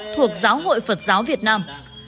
thuộc giáo hội phật giáo việt nam